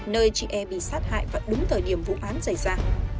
nơi chị e bị sát hại vào đúng thời điểm vụ án xảy ra